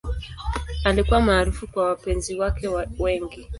Alikuwa maarufu kwa wapenzi wake wengi.